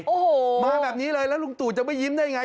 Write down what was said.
โอ้โหมาแบบนี้เลยแล้วลุงตู่จะไม่ยิ้มได้ไง